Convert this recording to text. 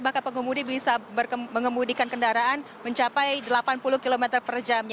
maka pengemudi bisa mengemudikan kendaraan mencapai delapan puluh km per jamnya